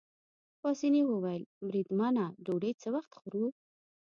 پاسیني وویل: بریدمنه ډوډۍ څه وخت خورو؟